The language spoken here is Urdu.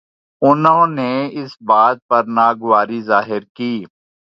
انہوں نے اس بات پر ناگواری ظاہر کی